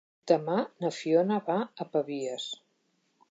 Demà na Fiona va a Pavies.